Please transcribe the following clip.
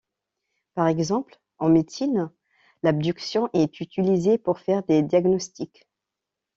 Par exemple, en médecine, l’abduction est utilisée pour faire des diagnostics.